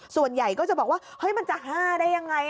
ส่วนใหญ่ก็จะบอกว่ามันจะห้าได้ยังไง